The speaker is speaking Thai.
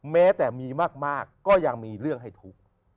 แม้แต่มีมากก็ยังมีเรื่องให้ทุกข์